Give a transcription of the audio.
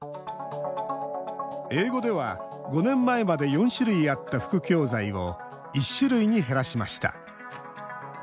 英語では、５年前まで４種類あった副教材を１種類に減らしました。